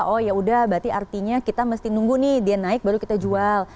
oh yaudah berarti artinya kita mesti nunggu nih dia naik baru kita jual